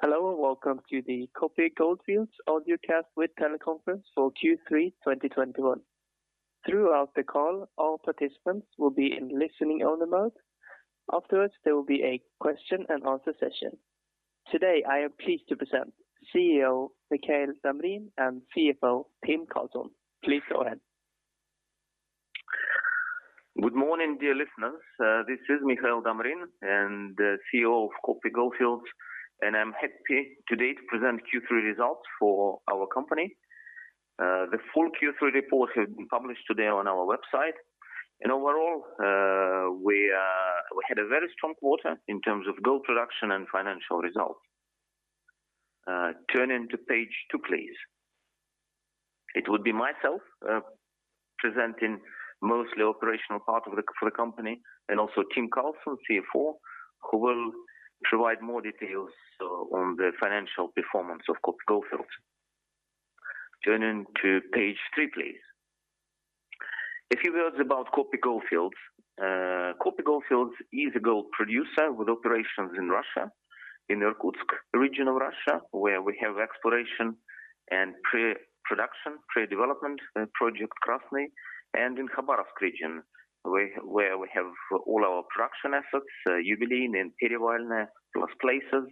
Hello and welcome to the Kopy Goldfields audio cast with teleconference for Q3 2021. Throughout the call, all participants will be in listening only mode. Afterwards, there will be a question and answer session. Today, I am pleased to present CEO Mikhail Damrin and CFO Tim Carlsson. Please go ahead. Good morning, dear listeners. This is Mikhail Damrin, CEO of Kopy Goldfields, and I'm happy today to present Q3 results for our company. The full Q3 report has been published today on our website. Overall, we had a very strong quarter in terms of gold production and financial results. Turning to page two, please. It would be myself presenting mostly operational part for the company and also Tim Carlsson, CFO, who will provide more details on the financial performance of Kopy Goldfields. Turning to page three, please. A few words about Kopy Goldfields. Kopy Goldfields is a gold producer with operations in Russia, in Irkutsk region of Russia, where we have exploration and pre-production, pre-development project Krasny, and in Khabarovsk region, where we have all our production assets, Yubileyniy and Perevalnoye, plus placer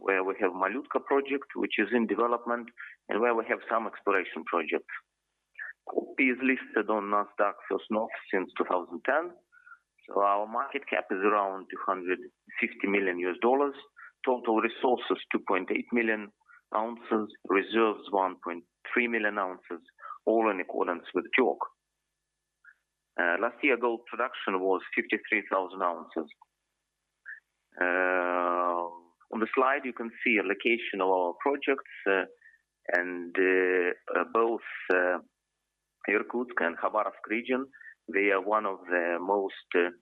where we have Malutka project, which is in development, and where we have some exploration projects. Kopy is listed on Nasdaq First North since 2010. Our market cap is around $250 million. Total resources, 2.8 million oz. Reserves, 1.3 million oz, all in accordance with JORC. Last year gold production was 53,000 oz. On the slide, you can see a location of our projects, and both Irkutsk and Khabarovsk region, they are one of the most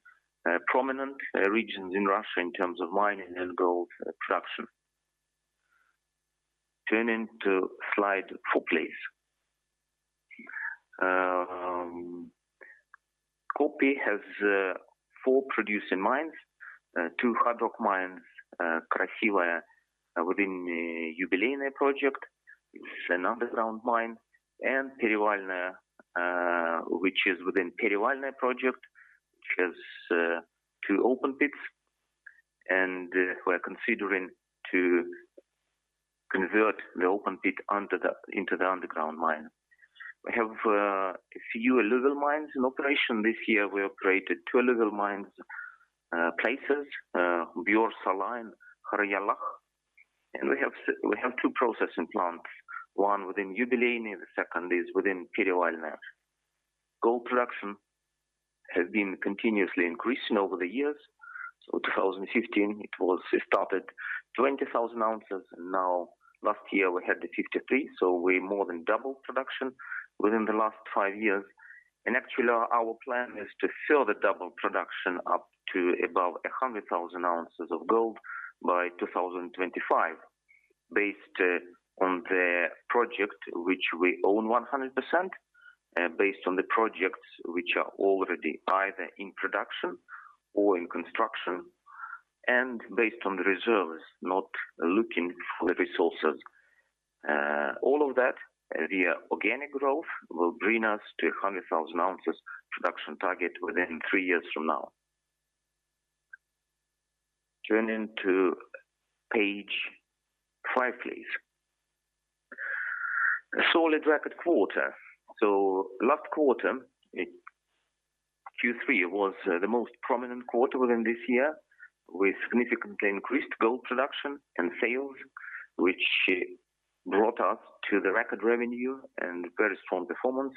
prominent regions in Russia in terms of mining and gold production. Turning to slide four, please. Kopy has four producing mines, two hard rock mines, Krasivoe within Yubileyniy project. It's an underground mine. Perevalnoye, which is within Perevalnoye project, which has two open pits. We are considering to convert the open pit into the underground mine. We have a few alluvial mines in operation. This year, we operated two alluvial mines, placer, Buor-Sala, Khayarylakh. We have two processing plants, one within Yubileyniy, the second is within Perevalnoye. Gold production has been continuously increasing over the years. 2015, it started 20,000 oz. Now last year we had the 53. We more than doubled production within the last five years. Actually, our plan is to further double production up to above 100,000 oz of gold by 2025. Based on the project, which we own 100%, based on the projects which are already either in production or in construction, and based on the reserves, not looking for the resources. All of that via organic growth will bring us to a 100,000 oz production target within three years from now. Turning to page 5, please. A solid record quarter. Last quarter, Q3 was the most prominent quarter within this year, with significantly increased gold production and sales, which brought us to the record revenue and very strong performance.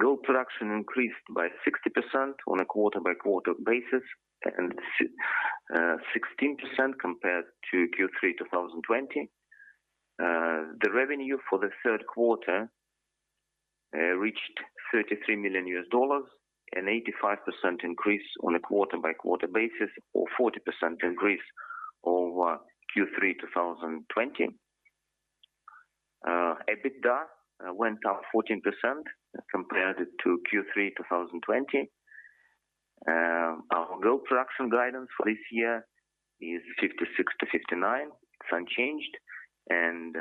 Gold production increased by 60% on a quarter-by-quarter basis, and 16% compared to Q3 2020. The revenue for the third quarter reached $33 million, an 85% increase on a quarter-over-quarter basis, or 40% increase over Q3 2020. EBITDA went up 14% compared to Q3 2020. Our gold production guidance for this year is 56-59, it's unchanged.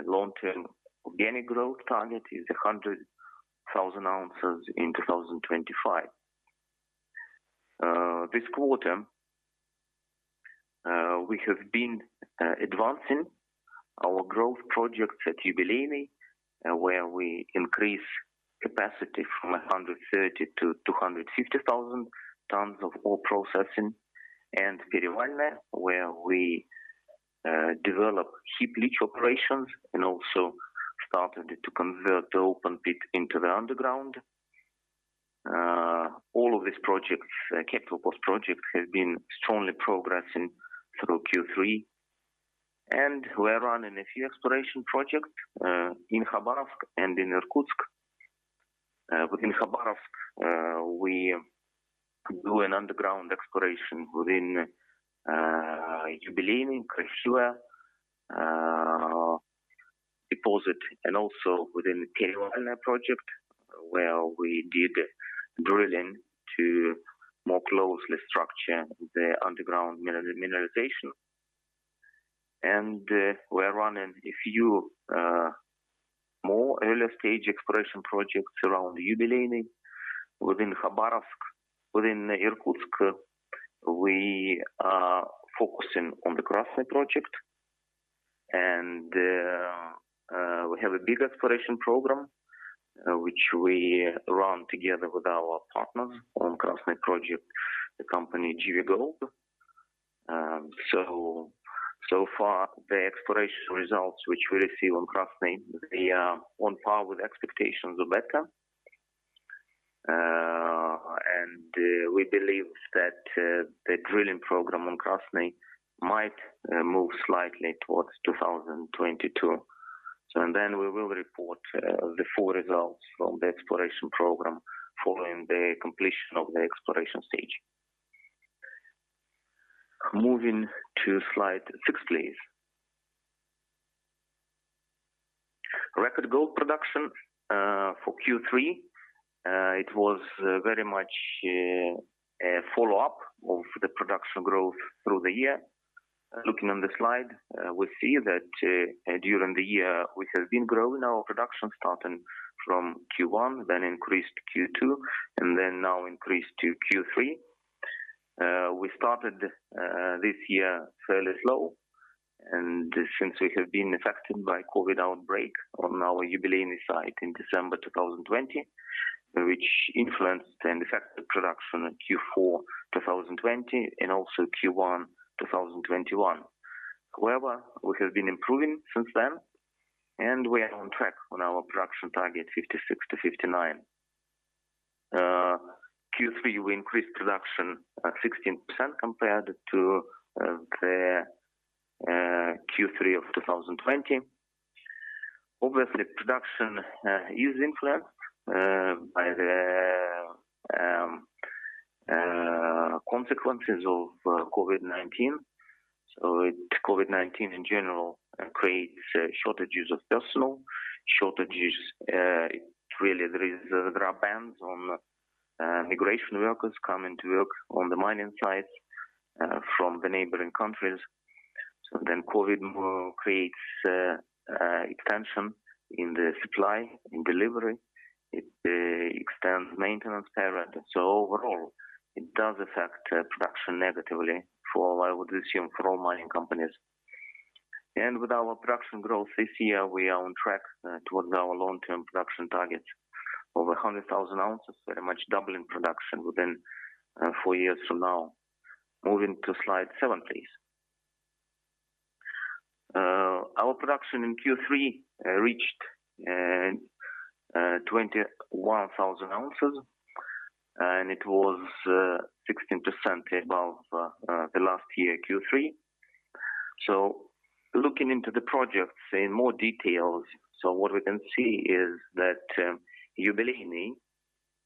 Long-term organic growth target is 100,000 oz in 2025. This quarter, we have been advancing our growth projects at Yubileyniy, where we increased capacity from 130,000 to 250,000 tons of ore processing. Perevalnoye, where we developed heap leach operations and also started to convert the open pit into the underground. All of these projects, CapEx projects have been strongly progressing through Q3. We are running a few exploration projects in Khabarovsk and in Irkutsk. Within Khabarovsk, we do an underground exploration within Yubileyniy, Krasivoe Deposit and also within the project, where we did drilling to more closely structure the underground mineralization. We are running a few more early-stage exploration projects around Yubileyniy, within Khabarovsk, within Irkutsk. We are focusing on the Krasny project, and we have a big exploration program which we run together with our partners on Krasny project, the company GV Gold. So far the exploration results which we receive on Krasny, they are on par with expectations of Betka. We believe that the drilling program on Krasny might move slightly towards 2022. We will report the full results from the exploration program following the completion of the exploration stage. Moving to slide six, please. Record gold production for Q3. It was very much a follow-up of the production growth through the year. Looking on the slide, we see that during the year, we have been growing our production starting from Q1, then increased Q2, and then now increased to Q3. We started this year fairly slow. Since we have been affected by COVID outbreak on our Yubileyniy site in December 2020, which influenced and affected production in Q4 2020 and also Q1 2021. However, we have been improving since then, and we are on track on our production target 56-59. Q3, we increased production 16% compared to Q3 of 2020. Obviously, production is influenced by the consequences of COVID-19. COVID-19 in general creates shortages of personnel. Really, there are bans on immigrant workers coming to work on the mining sites from the neighboring countries. COVID creates extension in the supply, in delivery. It extends maintenance period. Overall, it does affect production negatively, I would assume, for all mining companies. With our production growth this year, we are on track towards our long-term production targets. Over 100,000 oz, very much doubling production within four years from now. Moving to slide seven, please. Our production in Q3 reached 21,000 oz, and it was 16% above the last year Q3. Looking into the projects in more details. What we can see is that Yubileyniy,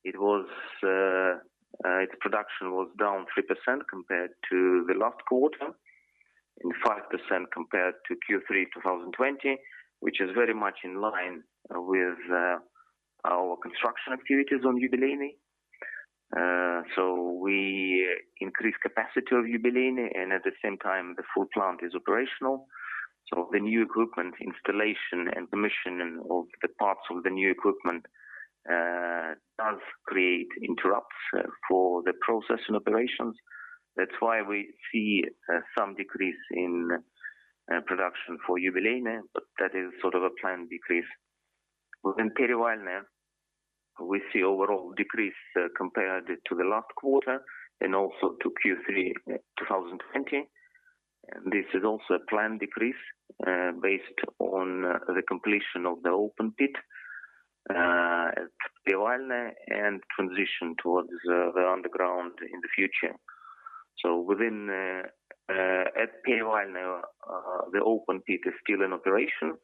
its production was down 3% compared to the last quarter and 5% compared to Q3 2020, which is very much in line with our construction activities on Yubileyniy. We increase capacity of Yubileyniy, and at the same time, the full plant is operational. The new equipment installation and commission of the parts of the new equipment does create interrupts for the processing operations. That's why we see some decrease in production for Yubileyniy, but that is sort of a planned decrease. Within Perevalnoye, we see overall decrease, compared to the last quarter and also to Q3 2020. This is also a planned decrease, based on the completion of the open pit at Perevalnoye and transition towards the underground in the future. Within Perevalnoye, the open pit is still in operation.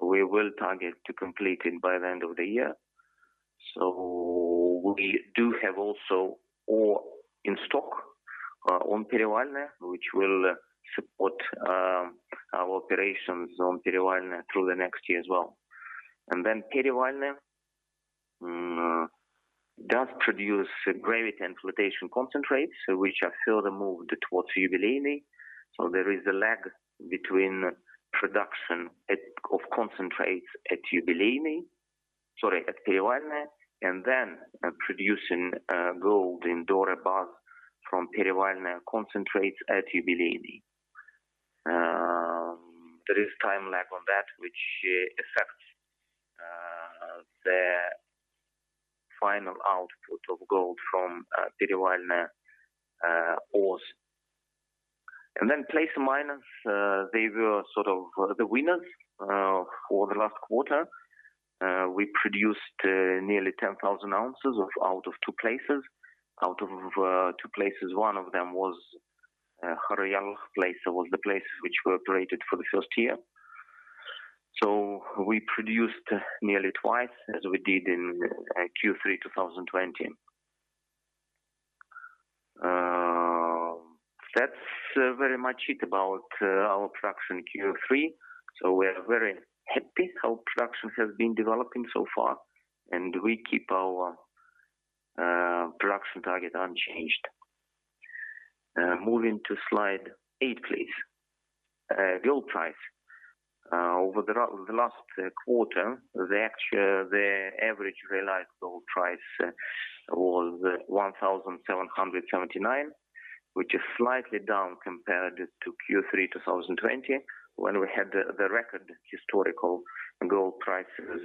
We will target to complete it by the end of the year. We do have also ore in stock on Perevalnoye, which will support our operations on Perevalnoye through the next year as well. Perevalnoye does produce gravity and flotation concentrates, which are further moved towards Yubileyniy. There is a lag between production of concentrates at Yubileyniy, sorry, at Perevalnoye, and then producing gold in doré bars from Perevalnoye concentrates at Yubileyniy. There is time lag on that which affects the final output of gold from Perevalnoye ores. Placer miners they were sort of the winners for the last quarter. We produced nearly 10,000 oz out of two placers. Out of two placers, one of them was Khayarylakh placer, which we operated for the first year. We produced nearly twice as we did in Q3 2020. Very much it about our production Q3. We are very happy how production has been developing so far, and we keep our production target unchanged. Moving to slide eight, please. Gold price. Over the last quarter, the average realized gold price was $1,779, which is slightly down compared to Q3 2020 when we had the record historical gold prices.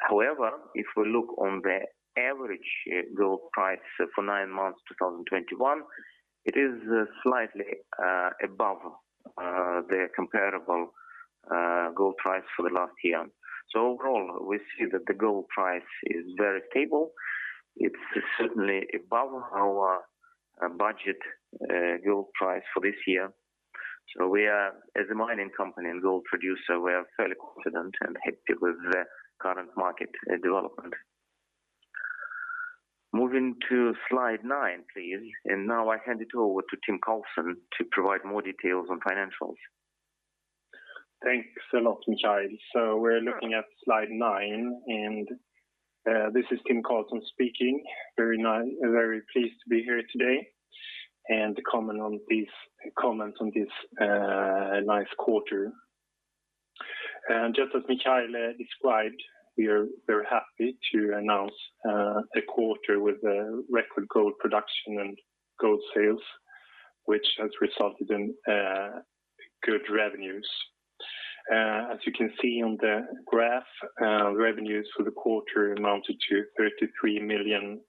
However, if we look on the average gold price for nine months 2021, it is slightly above the comparable gold price for the last year. Overall, we see that the gold price is very stable. It's certainly above our budget gold price for this year. We are, as a mining company and gold producer, fairly confident and happy with the current market development. Moving to slide 9, please. Now I hand it over to Tim Carlsson to provide more details on financials. Thanks a lot, Mikhail. We're looking at slide nine, and this is Tim Carlsson speaking. Very pleased to be here today and to comment on this nice quarter. Just as Mikhail described, we are very happy to announce a quarter with record gold production and gold sales, which has resulted in good revenues. As you can see on the graph, revenues for the quarter amounted to $33 million,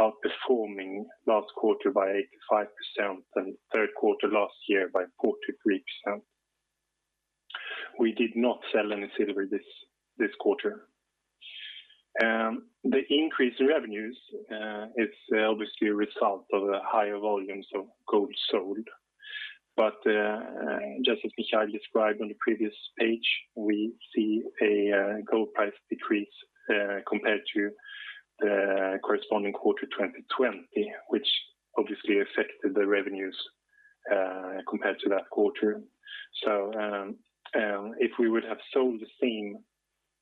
outperforming last quarter by 85% and third quarter last year by 43%. We did not sell any silver this quarter. The increased revenues is obviously a result of the higher volumes of gold sold. Just as Mikhail described on the previous page, we see a gold price decrease compared to the corresponding quarter 2020, which obviously affected the revenues compared to that quarter. If we would have sold the same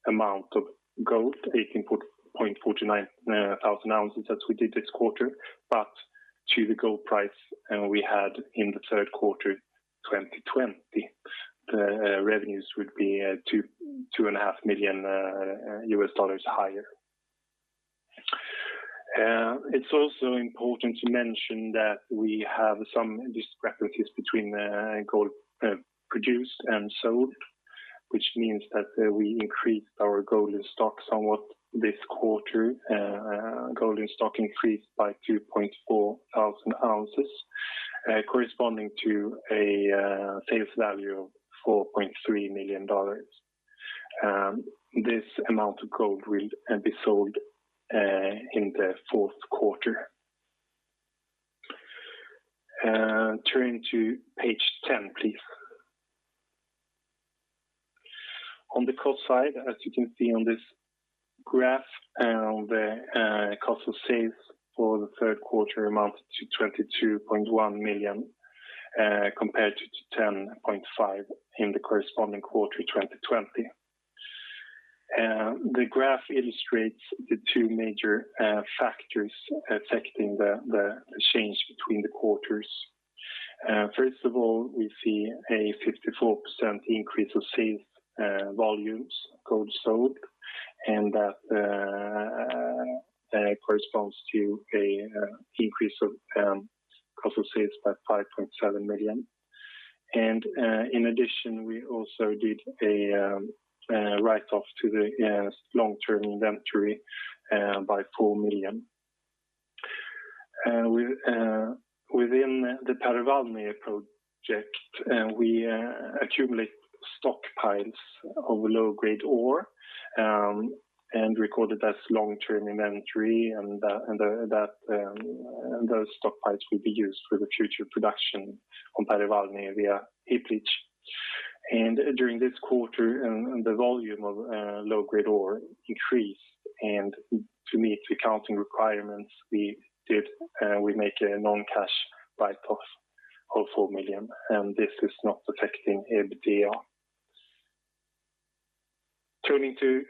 amount of gold, 18,490 oz as we did this quarter, but to the gold price we had in the third quarter 2020, the revenues would be $2.5 million higher. It's also important to mention that we have some discrepancies between the gold produced and sold, which means that we increased our gold in stock somewhat this quarter. Gold in stock increased by 2,400 oz, corresponding to a face value of $4.3 million. This amount of gold will be sold in the fourth quarter. Turning to page 10, please. On the cost side, as you can see on this graph, the cost of sales for the third quarter amount to $22.1 million, compared to $10.5 million in the corresponding quarter 2020. The graph illustrates the two major factors affecting the change between the quarters. First of all, we see a 54% increase of sales volumes gold sold, and that corresponds to a increase of cost of sales by $5.7 million. In addition, we also did a write-off to the long-term inventory by $4 million. Within the Perevalnoye project, we accumulate stockpiles of low-grade ore and record it as long-term inventory, and those stockpiles will be used for the future production on Perevalnoye via heap leach. During this quarter, the volume of low-grade ore increased, and to meet the accounting requirements, we made a non-cash write-off of $4 million, and this is not affecting EBITDA. Turning to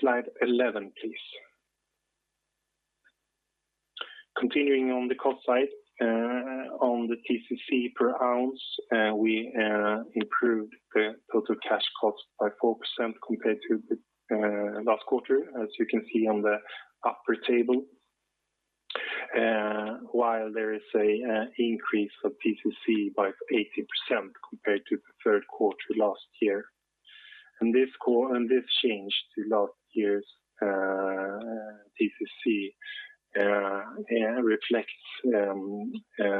slide 11, please. Continuing on the cost side, on the TCC per ounce, we improved the total cash cost by 4% compared to the last quarter, as you can see on the upper table, while there is an increase of TCC by 80% compared to the third quarter last year. This change to last year's TCC reflects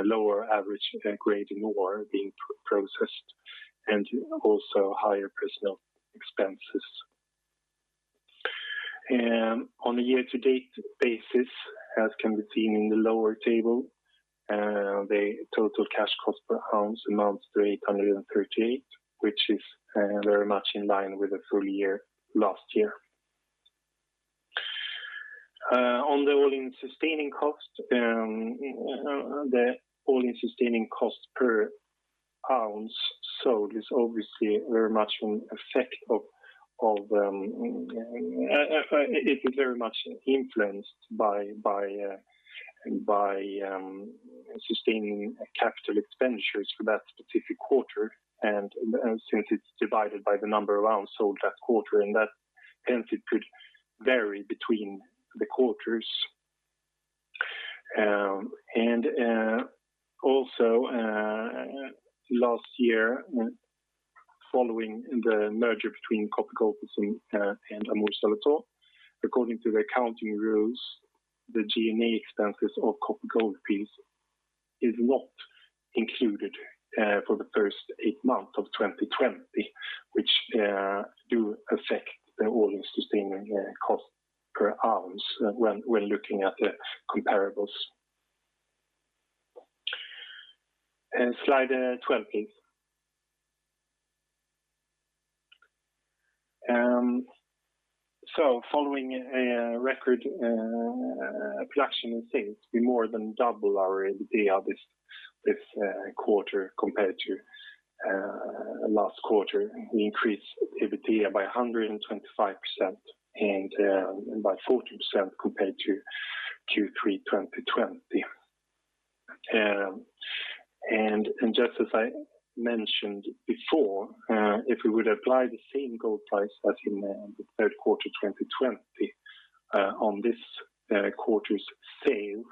lower average grade in ore being processed and also higher personnel expenses. On a year-to-date basis, as can be seen in the lower table, the total cash cost per ounce amounts to $838, which is very much in line with the full year last year. On the all-in sustaining cost, the all-in sustaining cost per ounce sold is obviously very much an effect of it very much influenced by sustaining capital expenditures for that specific quarter. Since it's divided by the number of oz sold that quarter, and hence it could vary between the quarters. Also, last year, following the merger between Kopy Goldfields and Amur Zoloto, according to the accounting rules, the G&A expenses of Kopy Goldfields is not included for the first 8 months of 2020, which do affect the all-in sustaining cost per ounce when looking at the comparables. Slide 12, please. Following a record production in sales, we more than double our EBITDA this quarter compared to last quarter. We increased EBITDA by 125% and by 40% compared to Q3 2020. Just as I mentioned before, if we would apply the same gold price as in the third quarter 2020 on this quarter's sales,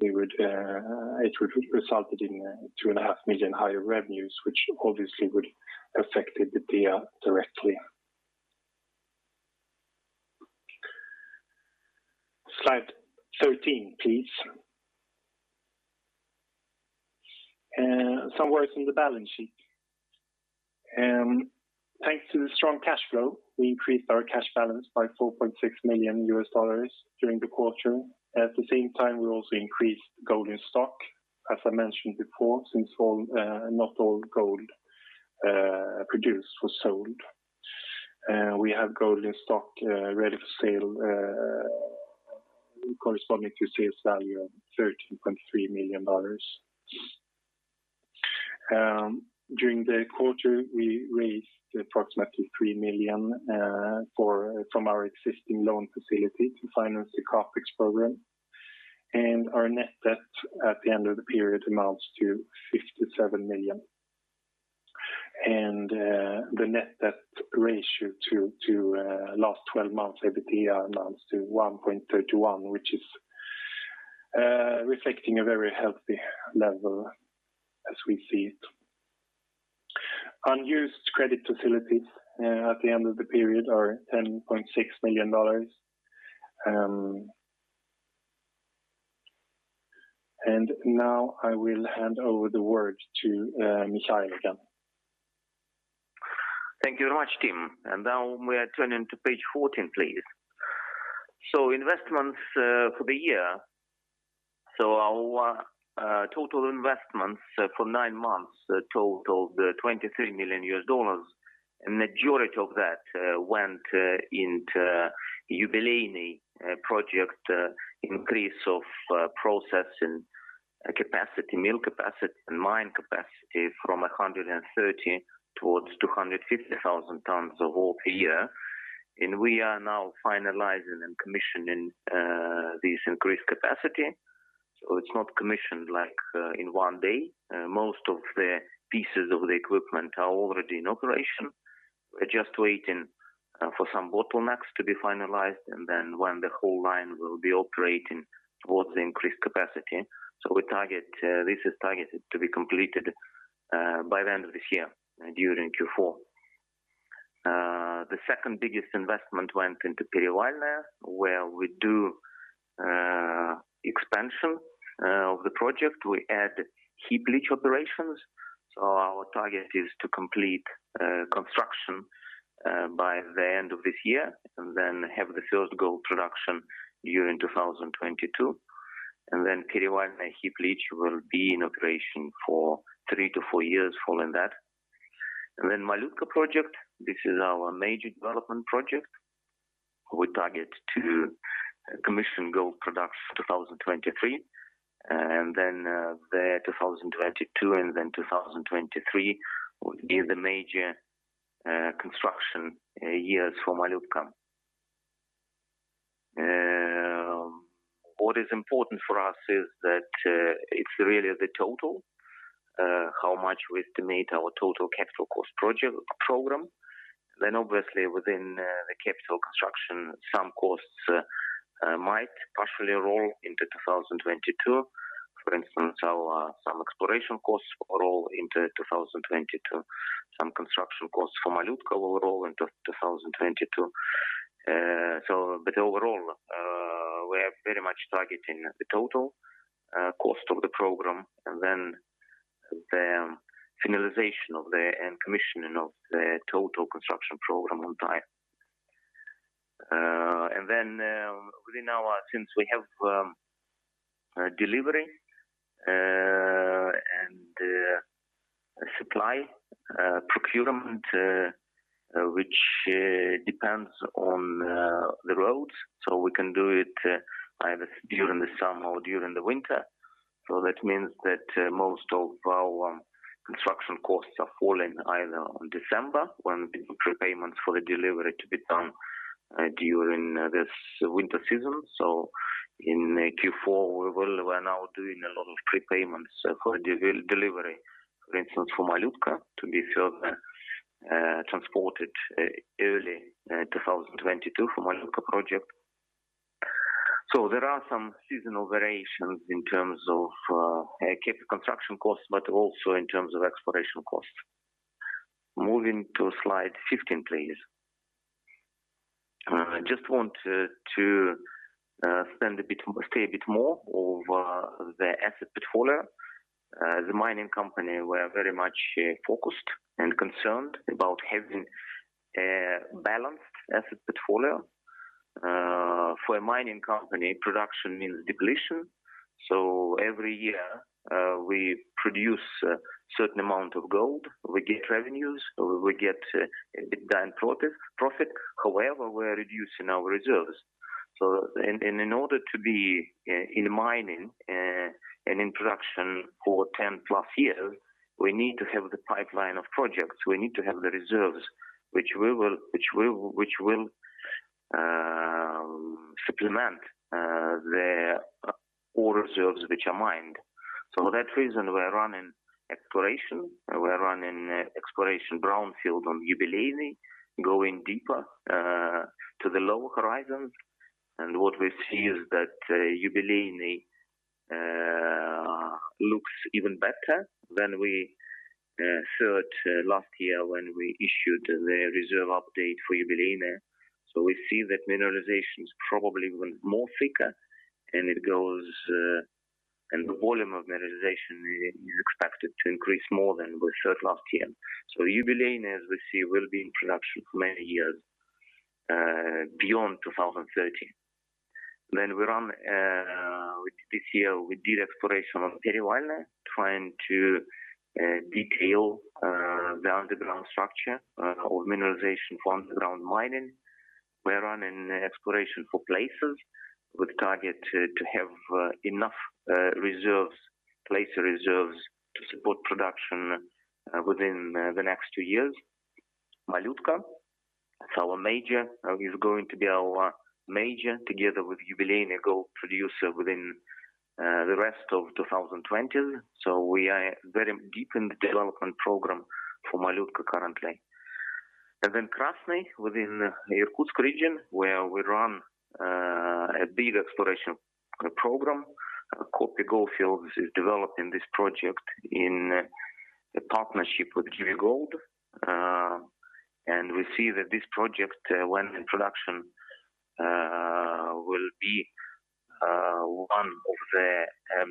it would result in $2.5 million higher revenues, which obviously would affected the EBITDA directly. Slide 13, please. Some words on the balance sheet. Thanks to the strong cash flow, we increased our cash balance by $4.6 million during the quarter. At the same time, we also increased gold in stock. As I mentioned before, since not all gold produced was sold, we have gold in stock ready for sale corresponding to sales value of $13.3 million. During the quarter, we raised approximately $3 million from our existing loan facility to finance the CapEx program. Our net debt at the end of the period amounts to $57 million. The net debt ratio to last 12 months EBITDA amounts to 1.31, which is reflecting a very healthy level as we see it. Unused credit facilities at the end of the period are $10.6 million. Now I will hand over the word to Mikhail again. Thank you very much, Tim. Now we are turning to page 14, please. Investments for the year. Our total investments for nine months totaled $23 million. Majority of that went into Yubileyniy project, increase of processing capacity, mill capacity and mine capacity from 130 towards 250,000 tons of ore per year. We are now finalizing and commissioning this increased capacity. It's not commissioned like in one day. Most of the pieces of the equipment are already in operation. We're just waiting for some bottlenecks to be finalized and then when the whole line will be operating towards the increased capacity. We target, this is targeted to be completed by the end of this year during Q4. The second biggest investment went into Perevalnoye, where we do expansion of the project. We add heap leach operations. Our target is to complete construction by the end of this year and then have the first gold production during 2022. Perevalnoye heap leach will be in operation for three to four years following that. Malutka project, this is our major development project. We target to commission gold production 2023. The 2022 and then 2023 would be the major construction years for Malutka. What is important for us is that it's really the total how much we estimate our total capital cost project program. Obviously within the capital construction, some costs might partially roll into 2022. For instance, some exploration costs will roll into 2022. Some construction costs for Malutka will roll into 2022. But overall, we are very much targeting the total cost of the program and then the finalization and commissioning of the total construction program on time. Since we have delivery, supply, procurement which depends on the roads. We can do it either during the summer or during the winter. That means that most of our construction costs are falling either on December when we do prepayments for the delivery to be done during this winter season. In Q4, we're now doing a lot of prepayments for delivery, for instance, for Malutka to be further transported early 2022 for Malutka project. There are some seasonal variations in terms of CapEx construction costs, but also in terms of exploration costs. Moving to slide 15, please. Just want to say a bit more over the asset portfolio. As a mining company, we are very much focused and concerned about having a balanced asset portfolio. For a mining company, production means depletion. Every year we produce a certain amount of gold, we get revenues, we get EBITDA, profit. However, we are reducing our reserves. In order to be in mining and in production for 10+ years, we need to have the pipeline of projects. We need to have the reserves which will supplement the ore reserves which are mined. For that reason, we are running exploration. We are running brownfield exploration on Yubileyniy, going deeper to the lower horizons. What we see is that Yubileyniy looks even better than we thought last year when we issued the reserve update for Yubileyniy. We see that mineralization is probably even more thicker. The volume of mineralization is expected to increase more than we thought last year. Yubileyniy, as we see, will be in production for many years beyond 2030. We ran this year, we did exploration on Perevalnoye, trying to detail the underground structure of mineralization for underground mining. We are running exploration for places with target to have enough reserves, replace reserves to support production within the next two years. Malutka, that's our major, is going to be our major together with Yubileyniy gold producer within the rest of 2020. We are very deep in the development program for Malutka currently. Krasny within Irkutsk region, where we run a big exploration program. Kopy Goldfields is developing this project in a partnership with GV Gold. We see that this project, when in production, will be one of the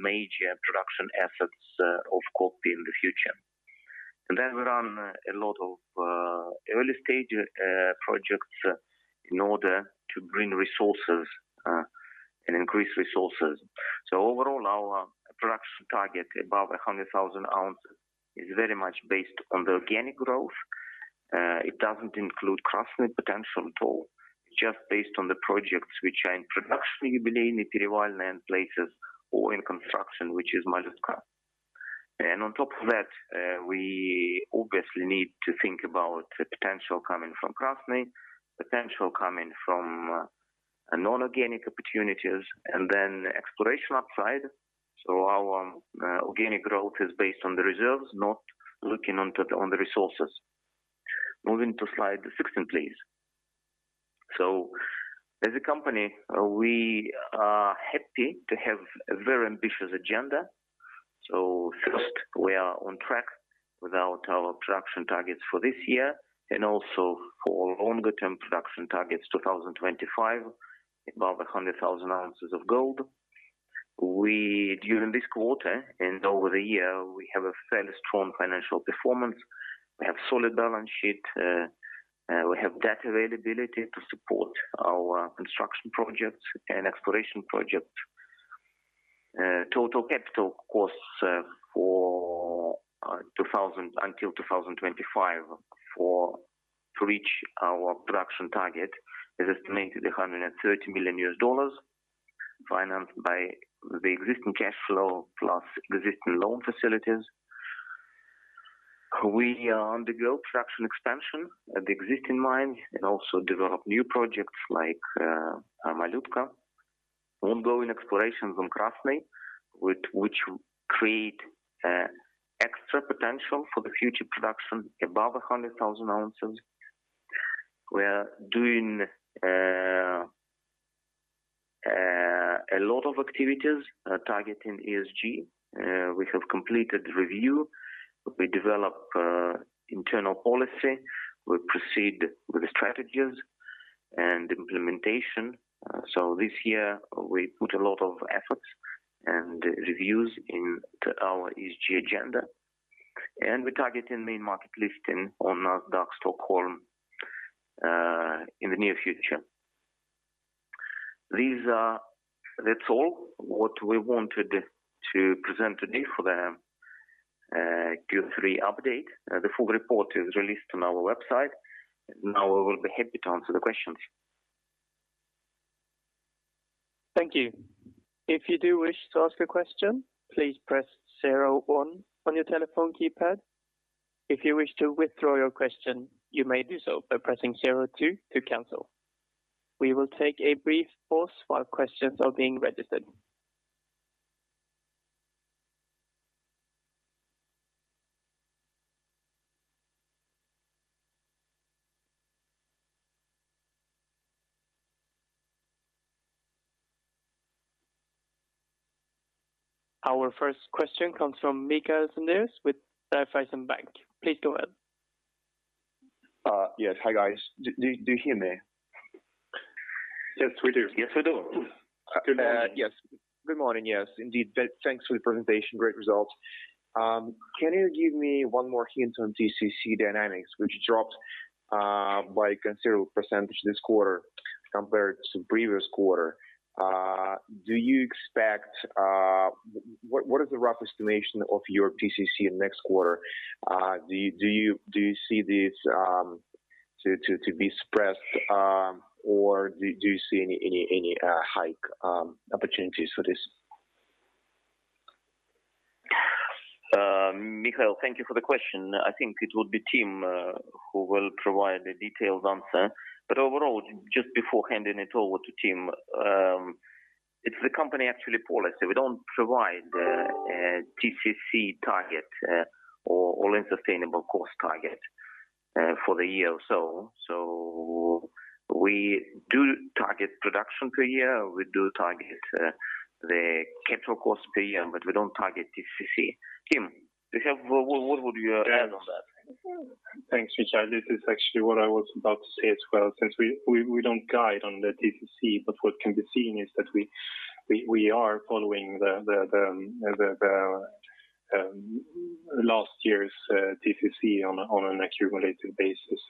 major production assets of Kopy in the future. We run a lot of early-stage projects in order to bring resources and increase resources. Overall, our production target above 100,000 oz is very much based on the organic growth. It doesn't include Krasny potential at all. It's just based on the projects which are in production, Yubileyniy, Perevalnoye, and placer, or in construction, which is Malutka. On top of that, we obviously need to think about the potential coming from Krasny, potential coming from non-organic opportunities, and then exploration upside. Our organic growth is based on the reserves, not looking onto the resources. Moving to slide 16, please. As a company, we are happy to have a very ambitious agenda. First, we are on track with our production targets for this year and also for longer-term production targets 2025, above 100,000 oz of gold. We during this quarter and over the year have a fairly strong financial performance. We have solid balance sheet. We have debt availability to support our construction projects and exploration project. Total capital costs until 2025 to reach our production target is estimated $130 million, financed by the existing cash flow plus the existing loan facilities. We are undergoing production expansion at the existing mine and also develop new projects like Malutka. Ongoing explorations on Krasny, which create extra potential for the future production above 100,000 oz. We are doing a lot of activities targeting ESG. We have completed review. We develop internal policy. We proceed with strategies and implementation. This year, we put a lot of efforts and reviews into our ESG agenda. We're targeting main market listing on Nasdaq Stockholm in the near future. That's all what we wanted to present today for the Q3 update. The full report is released on our website. Now we will be happy to answer the questions. Thank you. If you do wish to ask a question, please press zero one on your telephone keypad. If you wish to withdraw your question, you may do so by pressing zero two to cancel. We will take a brief pause while questions are being registered. Our first question comes from Mikhail Sanders with Raiffeisen Bank. Please go ahead. Yes. Hi, guys. Do you hear me? Yes, we do. Yes, we do. Yes. Good morning. Yes, indeed. Thanks for the presentation. Great results. Can you give me one more hint on TCC dynamics, which dropped by a considerable percentage this quarter compared to previous quarter? Do you expect what is the rough estimation of your TCC in next quarter? Do you see this to be suppressed or do you see any hike opportunities for this? Mikhail, thank you for the question. I think it will be Tim who will provide a detailed answer. Overall, just before handing it over to Tim, it's the company actually policy. We don't provide TCC target or all-in sustaining cost target for the year or so. We do target production per year. We do target the capital cost per year, but we don't target TCC. Tim, do you have what would you add on that? Yes. Thanks, Mikhail. This is actually what I was about to say as well, since we don't guide on the TCC. What can be seen is that we are following the last year's TCC on an accumulated basis.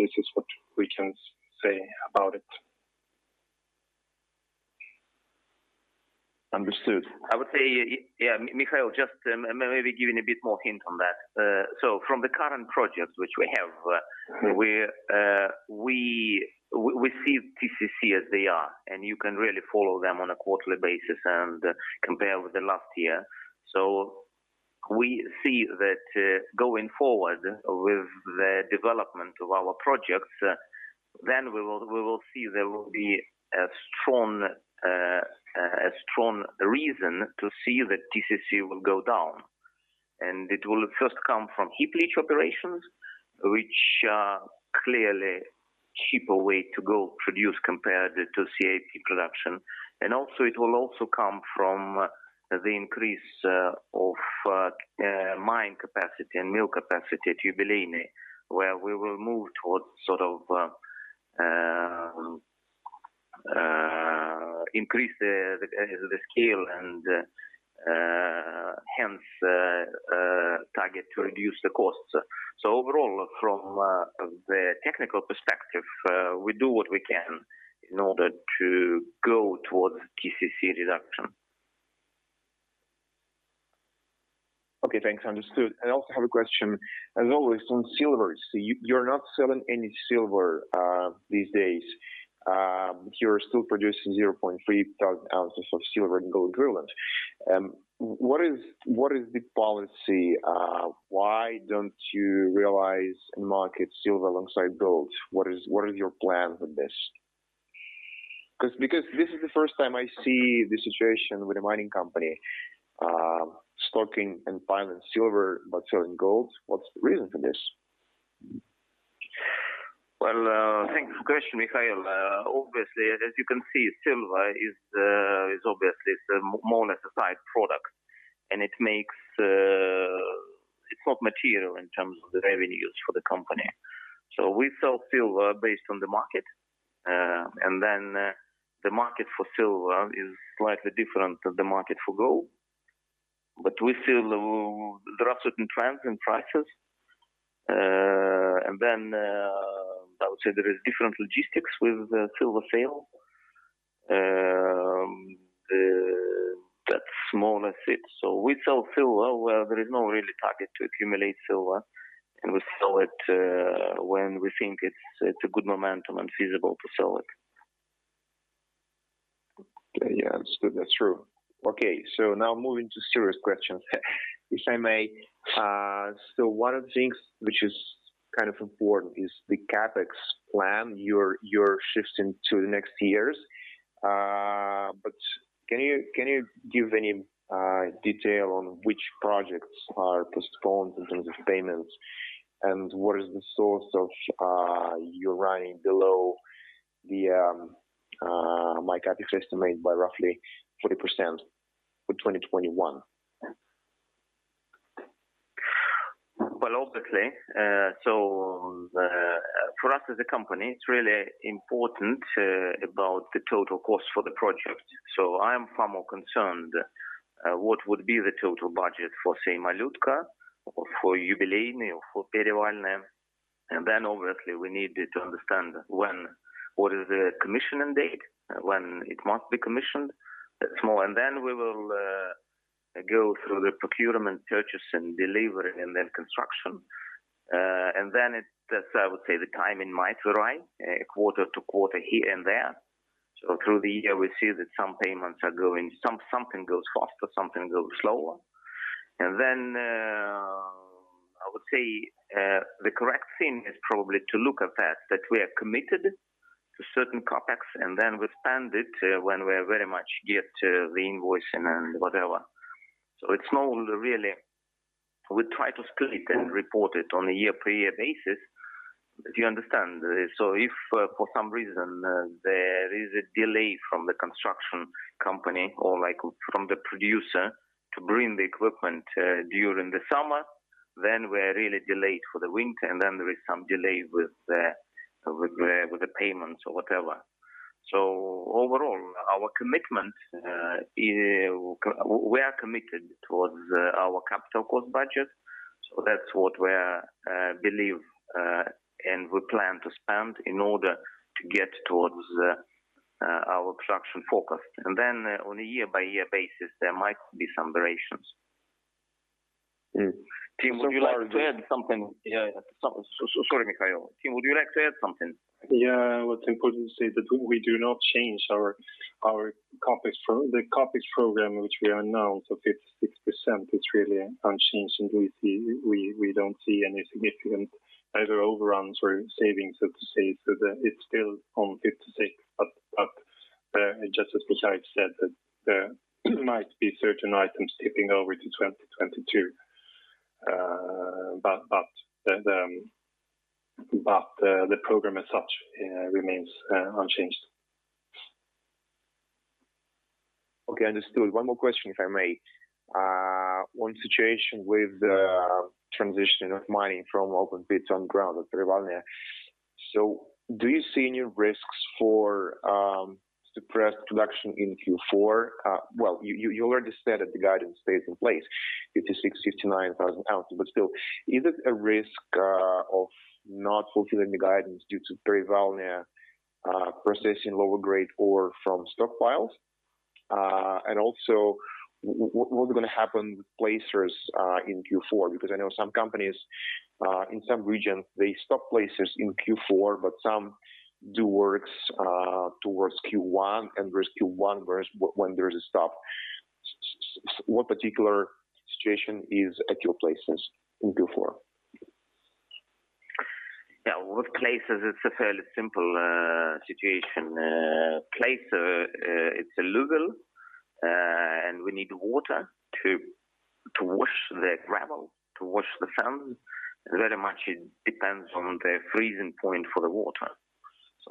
This is what we can say about it. Understood. I would say, yeah, Mikhail, just maybe giving a bit more hint on that. From the current projects which we have, we see TCC as they are, and you can really follow them on a quarterly basis and compare with the last year. We see that going forward with the development of our projects, then we will see there will be a strong reason to see that TCC will go down. It will first come from heap leach operations, which are clearly cheaper way to go produce compared to CIP production. Also, it will also come from the increase of mine capacity and mill capacity at Yubileyniy, where we will move towards sort of increase the scale and hence target to reduce the costs. Overall, from the technical perspective, we do what we can in order to go towards TCC reduction. Okay. Thanks. Understood. I also have a question, as always, on silver. You’re not selling any silver these days. You’re still producing 300 oz of silver and gold equivalent. What is the policy? Why don't you realize and market silver alongside gold? What is your plan for this? Because this is the first time I see this situation with a mining company, stocking and piling silver but selling gold. What's the reason for this? Well, thanks for the question, Mikhail. Obviously, as you can see, silver is obviously the more necessary product. It's not material in terms of the revenues for the company. We sell silver based on the market, and then, the market for silver is slightly different than the market for gold. We feel there are certain trends and prices, and then, I would say there is different logistics with the silver sale. That's more or less it. We sell silver where there is no real target to accumulate silver, and we sell it, when we think it's a good moment and feasible to sell it. Yeah. Understood. That's true. Okay. Now moving to serious questions, if I may. One of the things which is kind of important is the CapEx plan you're shifting to the next years. Can you give any detail on which projects are postponed in terms of payments? What is the source of your running below my CapEx estimate by roughly 40% for 2021? Well, obviously, for us as a company, it's really important about the total cost for the project. I am far more concerned what would be the total budget for, say, Malutka or for Yubileyniy or for Perevalnoye. Then obviously we need to understand when, what is the commissioning date, when it must be commissioned. That's more. Then we will go through the procurement purchase and delivery and then construction. Then that's, I would say, the timing might arrive quarter to quarter here and there. Through the year, we see that some payments are going. Something goes faster, something goes slower. I would say the correct thing is probably to look at that we are committed to certain CapEx, and then we spend it when we get the invoicing and whatever. It's normal, really. We try to split it and report it on a year-per-year basis. Do you understand? If for some reason there is a delay from the construction company or like from the producer to bring the equipment during the summer, then we're really delayed for the winter, and then there is some delay with the payments or whatever. Overall, our commitment is we are committed towards our capital cost budget. That's what we believe and we plan to spend in order to get towards our production forecast. On a year-by-year basis, there might be some variations. Tim, would you like to add something? Yeah, yeah. Some- Sorry, Mikhail. Tim, would you like to add something? Yeah. What's important to say that we do not change our CapEx program, which we announced of 56%, it's really unchanged, and we don't see any significant either overruns or savings, so to say. It's still on 56%. Just as Mikhail said, that there might be certain items tipping over to 2022. The program as such remains unchanged. Okay. Understood. One more question, if I may. One situation with the transition of mining from open pits underground at Perevalnoye. Do you see any risks for suppressed production in Q4? Well, you already said that the guidance stays in place, 56,000-59,000 oz. Still, is it a risk of not fulfilling the guidance due to Perevalnoye processing lower grade ore from stockpiles? And also, what is gonna happen with placers in Q4? Because I know some companies in some regions, they stop placers in Q4, but some do works towards Q1, and there's Q1 when there's a stop. So what particular situation is at your placers in Q4? Yeah. With placers it's a fairly simple situation. Placer it's alluvial, and we need water to wash the gravel, to wash the sand. It very much depends on the freezing point for the water.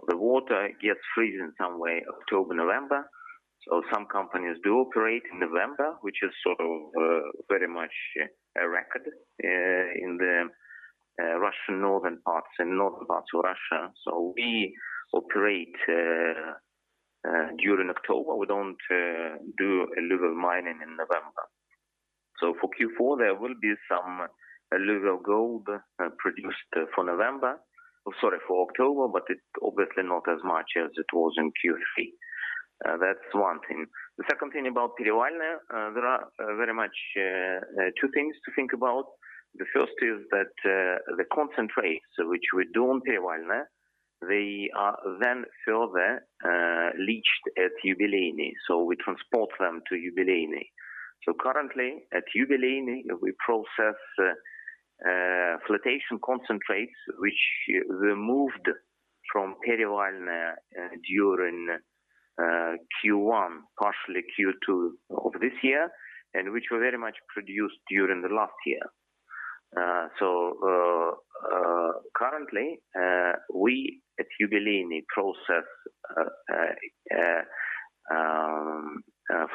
The water freezes in October, November. Some companies do operate in November, which is sort of very much a record in the northern parts of Russia. We operate during October. We don't do alluvial mining in November. For Q4, there will be some alluvial gold produced in October, but it's obviously not as much as it was in Q3. That's one thing. The second thing about Perevalnoye, there are very much two things to think about. The first is that the concentrates, which we do on Perevalnoye, they are then further leached at Yubileyniy. We transport them to Yubileyniy. Currently at Yubileyniy, we process flotation concentrates, which were moved from Perevalnoye during Q1, partially Q2 of this year, and which were very much produced during the last year. Currently, we at Yubileyniy process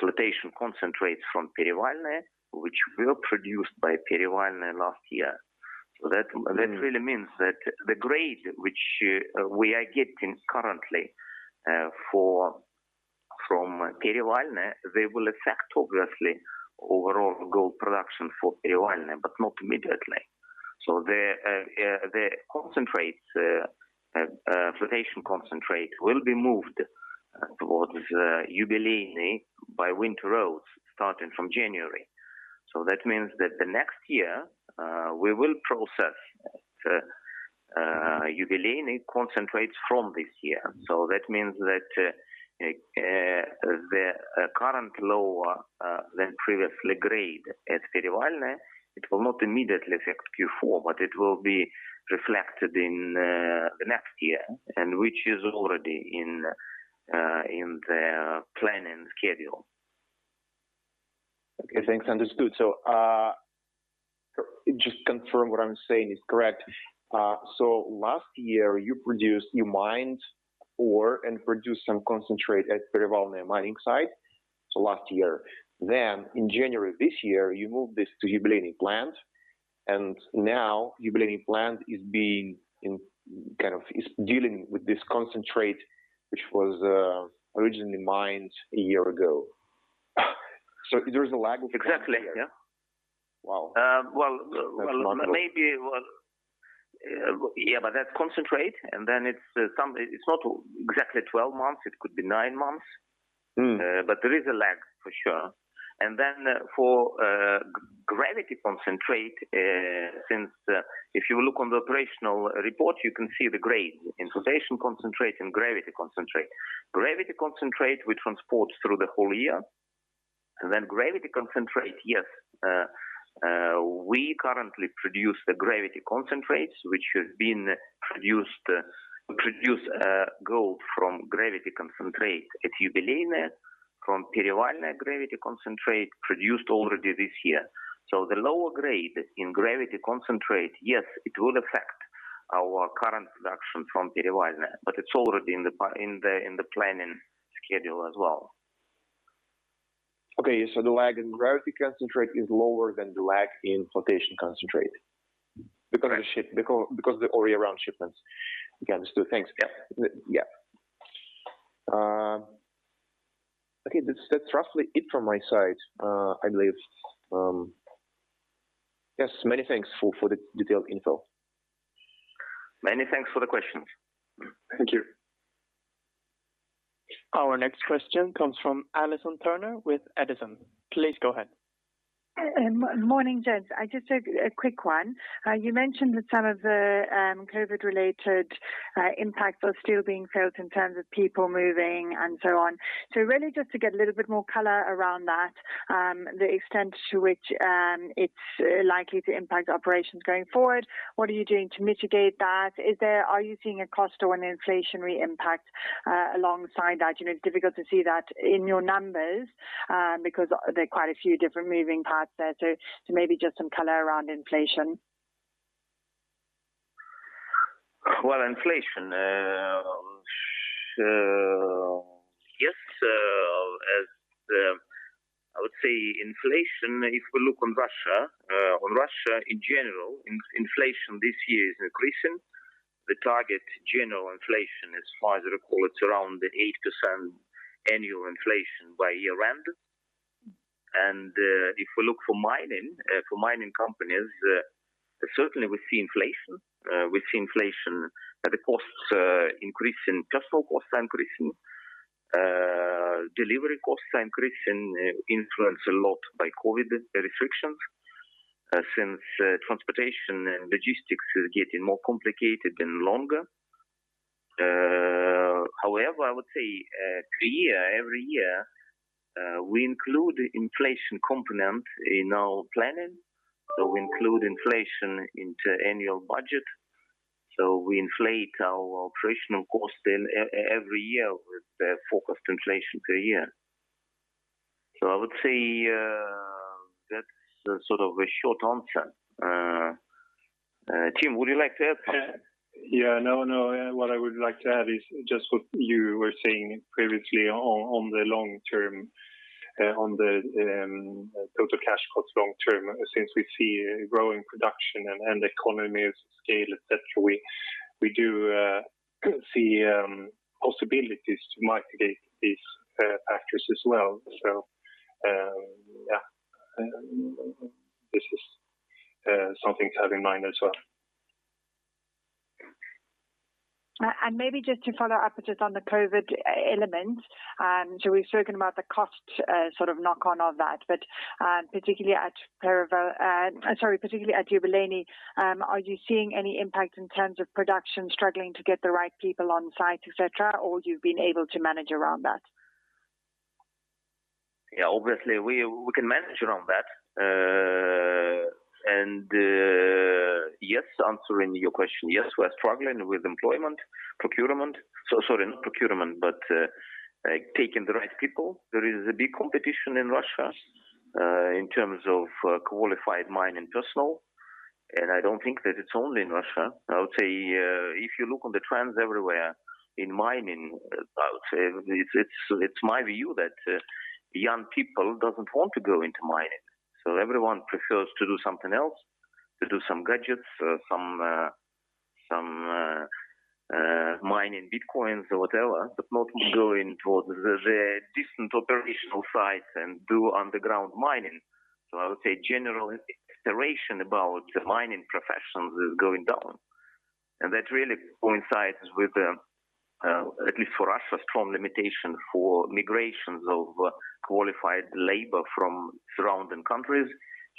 flotation concentrates from Perevalnoye, which were produced by Perevalnoye last year. That really means that the grade which we are getting currently from Perevalnoye, they will affect obviously overall gold production for Perevalnoye, but not immediately. The flotation concentrates will be moved towards Yubileyniy by winter roads starting from January. That means that the next year, we will process Yubileyniy concentrates from this year. That means that the current lower than previously grade at Perevalnoye, it will not immediately affect Q4, but it will be reflected in the next year, and which is already in the planning schedule. Okay. Thanks. Understood. Just confirm what I'm saying is correct. Last year you mined ore and produced some concentrate at Perevalnoye mining site. Last year. In January this year, you moved this to Yubileyniy plant. Now, Yubileyniy plant is kind of dealing with this concentrate, which was originally mined a year ago. There's a lag of a year. Exactly, yeah. Wow! Um, well- That's normal. Maybe, well, yeah, but that concentrate and then it's not exactly 12 months, it could be nine months. Mm. There is a lag for sure. For gravity concentrate, since if you look on the operational report, you can see the grade in flotation concentrate and gravity concentrate. Gravity concentrate we transport through the whole year. Gravity concentrate, yes, we currently produce the gravity concentrates which produce gold from gravity concentrate at Yubileyniy from Perevalnoye gravity concentrate produced already this year. The lower grade in gravity concentrate, yes, it will affect our current production from Perevalnoye, but it's already in the planning schedule as well. Okay. The lag in gravity concentrate is lower than the lag in flotation concentrate. Correct. Because of the all year round shipments. Okay, understood. Thanks. Yeah. Yeah. Okay. That's roughly it from my side, I believe. Yes, many thanks for the detailed info. Many thanks for the questions. Thank you. Our next question comes from Alison Turner with Edison. Please go ahead. Morning, gents. I just had a quick one. You mentioned that some of the COVID related impacts are still being felt in terms of people moving and so on. Really just to get a little bit more color around that, the extent to which it's likely to impact operations going forward. What are you doing to mitigate that? Are you seeing a cost or an inflationary impact alongside that? You know, it's difficult to see that in your numbers because there are quite a few different moving parts there. Maybe just some color around inflation. Well, inflation. Yes, I would say inflation, if we look on Russia, on Russia in general, inflation this year is increasing. The target general inflation, as far as I recall, is around 8% annual inflation by year end. If we look for mining, for mining companies, certainly we see inflation. We see inflation at the costs increasing. Personnel costs are increasing. Delivery costs are increasing, influenced a lot by COVID restrictions, since transportation and logistics is getting more complicated and longer. However, I would say, per year, every year, we include inflation component in our planning, so we include inflation into annual budget. So we inflate our operational cost then every year with the forecast inflation per year. I would say, that's sort of a short answer. Tim, would you like to add? Yeah. No, no. What I would like to add is just what you were saying previously on the long term, on the total cash costs long term. Since we see growing production and economies of scale, et cetera, we do see possibilities to mitigate these factors as well. Yeah. This is something to have in mind as well. Maybe just to follow up just on the COVID element. We've spoken about the cost, sort of knock-on of that. Particularly at Yubileyniy, are you seeing any impact in terms of production struggling to get the right people on site, et cetera, or you've been able to manage around that? Yeah. Obviously, we can manage around that. Yes, answering your question, yes, we are struggling with employment, procurement. Sorry, not procurement, but taking the right people. There is a big competition in Russia in terms of qualified mining personnel. I don't think that it's only in Russia. I would say if you look on the trends everywhere in mining, I would say it's my view that young people doesn't want to go into mining. Everyone prefers to do something else, to do some gadgets, some mining Bitcoin or whatever, but not go into the distant operational sites and do underground mining. I would say general aspiration about the mining professions is going down. That really coincides with the, at least for Russia, strong limitation for migrations of qualified labor from surrounding countries.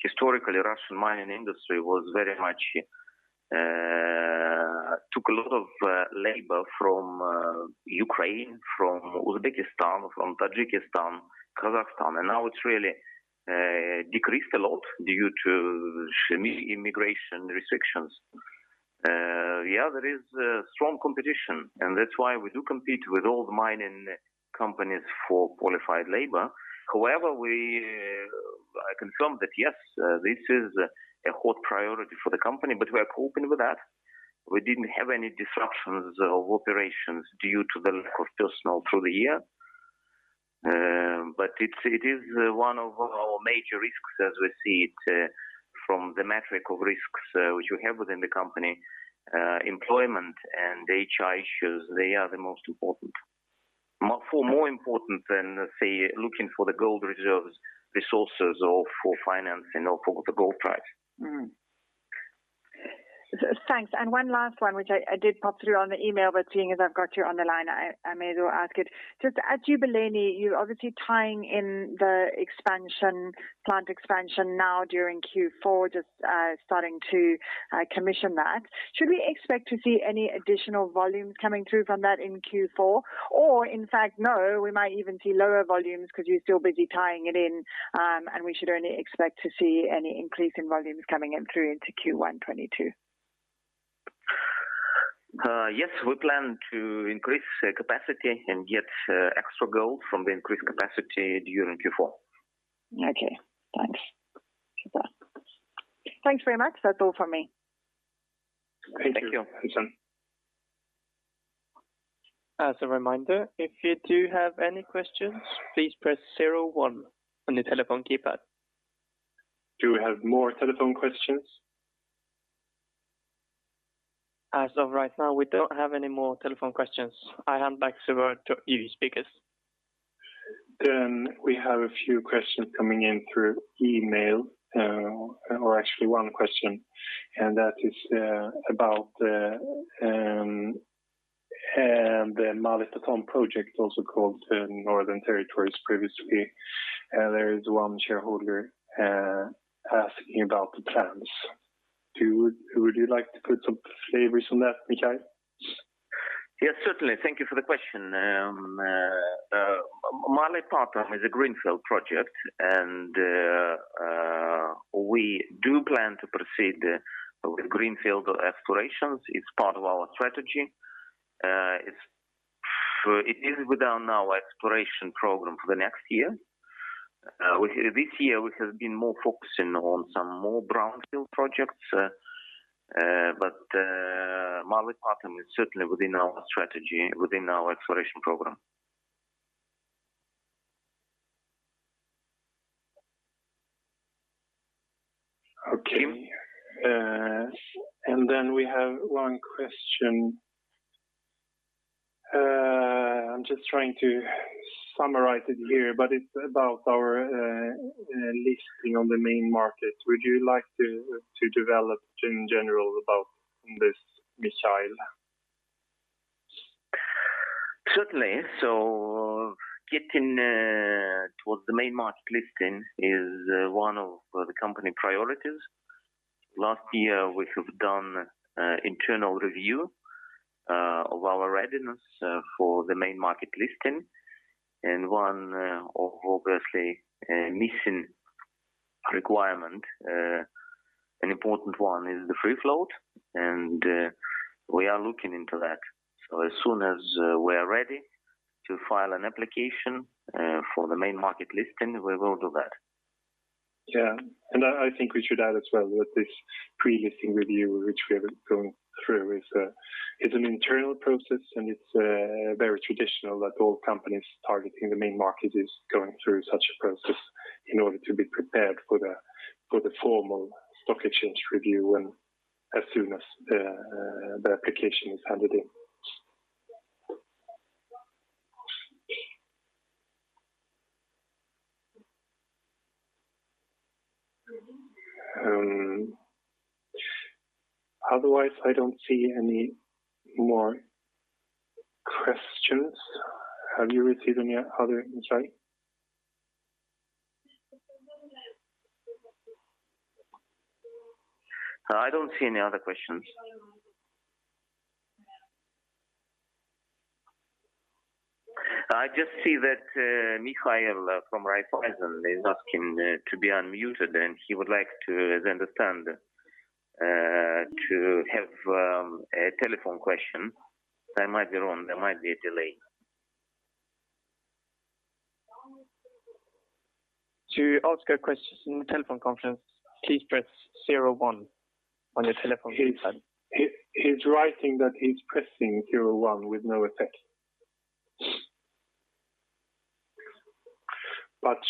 Historically, Russian mining industry was very much took a lot of labor from Ukraine, from Uzbekistan, from Tajikistan, Kazakhstan, and now it's really decreased a lot due to severe immigration restrictions. There is a strong competition, and that's why we do compete with all the mining companies for qualified labor. However, we confirm that, yes, this is a hot priority for the company, but we are coping with that. We didn't have any disruptions of operations due to the lack of personnel through the year. It is one of our major risks as we see it, from the metric of risks, which we have within the company. Employment and HR issues, they are the most important. Far more important than, say, looking for the gold reserves resources or for finance and also the gold price. Thanks. One last one, which I did pop through on the email, but seeing as I've got you on the line, I may as well ask it. Just at Yubileyniy, you're obviously tying in the expansion, plant expansion now during Q4, starting to commission that. Should we expect to see any additional volumes coming through from that in Q4? Or in fact, no, we might even see lower volumes because you're still busy tying it in, and we should only expect to see any increase in volumes coming in through into Q1 2022. Yes, we plan to increase the capacity and get extra gold from the increased capacity during Q4. Okay. Thanks for that. Thanks very much. That's all from me. Thank you. We have a few questions coming in through email, or actually one question, and that is about the Malytatum project, also called Northern Territories previously. There is one shareholder asking about the plans. Would you like to put some flavors on that, Mikhail? Yes, certainly. Thank you for the question. Malytatum is a greenfield project and we do plan to proceed with greenfield explorations. It's part of our strategy. It is within our exploration program for the next year. This year we have been more focusing on some more brownfield projects, but Malytatum is certainly within our strategy, within our exploration program. We have one question. I'm just trying to summarize it here, but it's about our listing on the main market. Would you like to develop in general about this, Mikhail? Certainly. Getting towards the main market listing is one of the company priorities. Last year, we have done internal review of our readiness for the main market listing. One of obviously a missing requirement, an important one is the free float. We are looking into that. As soon as we are ready to file an application for the main market listing, we will do that. I think we should add as well that this pre-listing review, which we are going through, is an internal process, and it's very traditional that all companies targeting the main market is going through such a process in order to be prepared for the formal stock exchange review and as soon as the application is handed in. Otherwise, I don't see any more questions. Have you received any other, Mikhail? I don't see any other questions. I just see that Mikhail Sanders from Raiffeisen is asking to be unmuted, and he would like to, as I understand, to have a telephone question. I might be wrong. There might be a delay. He's writing that he's pressing zero one with no effect.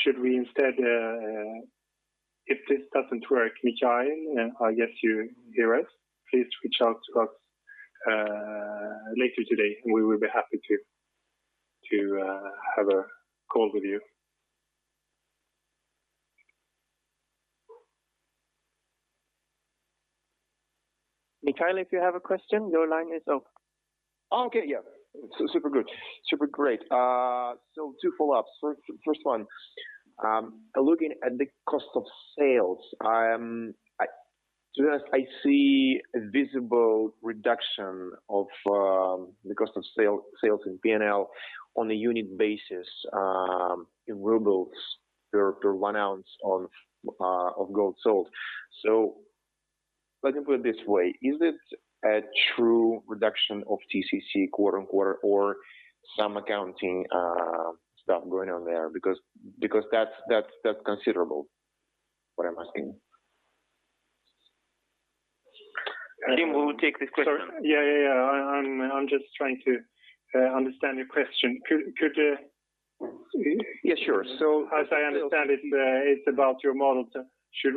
Should we instead, if this doesn't work, Mikhail, I guess you hear us, please reach out to us later today, and we will be happy to have a call with you. Mikhail, if you have a question, your line is open. Okay. Yeah. Super good. Super great. Two follow-ups. First one, looking at the cost of sales, to be honest, I see a visible reduction of the cost of sales in P&L on a unit basis, in rubles per one ounce of gold sold. Let me put it this way. Is it a true reduction of TCC quarter on quarter or some accounting stuff going on there? Because that's considerable, what I'm asking. I think we will take this question. Sorry. Yeah. I'm just trying to understand your question. Could... Yes, sure. As I understand it's about your model. Should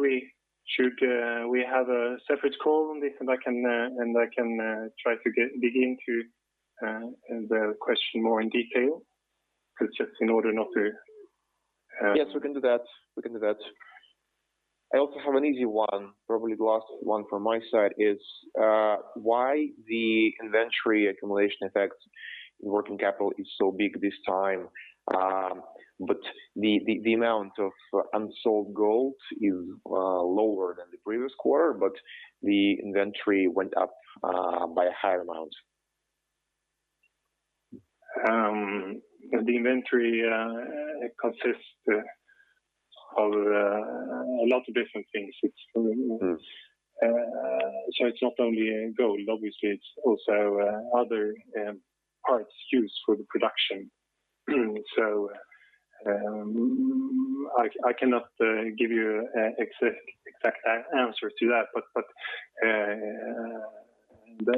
we have a separate call on this, and I can try to dig into the question more in detail? 'Cause just in order not to, Yes, we can do that. I also have an easy one, probably the last one from my side is, why the inventory accumulation effects in working capital is so big this time, but the amount of unsold gold is, lower than the previous quarter, but the inventory went up, by a higher amount? The inventory consists of a lot of different things. It's Mm-hmm. It's not only gold, obviously. It's also other parts used for the production. I cannot give you an exact answer to that.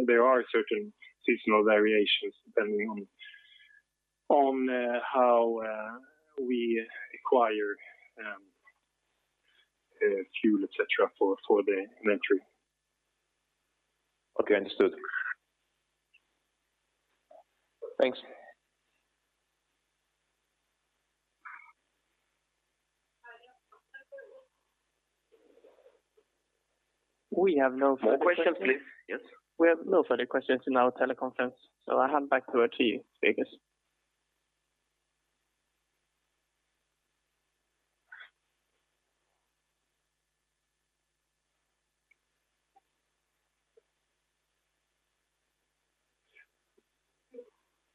There are certain seasonal variations depending on how we acquire fuel, et cetera, for the inventory. Okay, understood. Thanks. We have no further questions. More questions, please. Yes. We have no further questions in our teleconference, so I'll hand back over to you, speakers.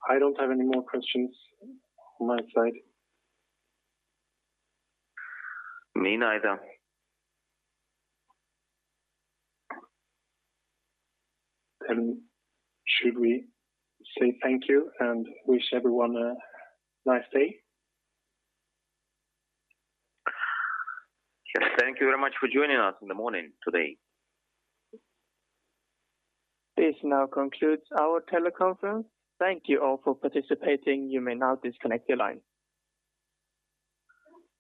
I don't have any more questions on my side. Me neither. Should we say thank you and wish everyone a nice day? Yes. Thank you very much for joining us in the morning today. This now concludes our teleconference. Thank you all for participating. You may now disconnect your line.